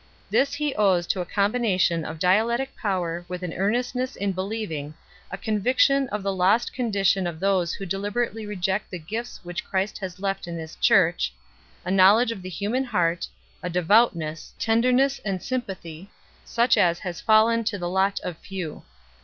This he owes to a combination of dialectic power with an earnestness in believing, a conviction of the lost condition of those who deliberately reject the gifts which Christ has left in His Church, a knowledge of the human heart, a devoutness, tenderness, and sympathy, such as has fallen to the lot of few.